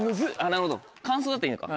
なるほど感想だったらいいのか。